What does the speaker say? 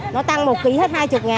nó tăng một ký hết hai mươi